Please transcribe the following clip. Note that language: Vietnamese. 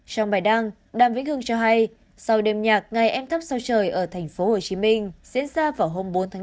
trong bài đăng đàm vĩnh hưng cho hay sau đêm nhạc ngày em thắp sao trời ở tp hcm diễn ra vào hôm bốn tháng năm